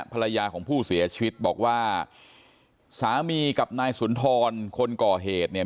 ภรรยาของผู้เสียชีวิตบอกว่าสามีกับนายสุนทรคนก่อเหตุเนี่ย